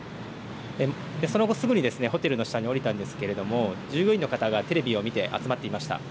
その後、すぐにホテルの下に降りたんですけれども従業員の方がテレビを見て集まっていました。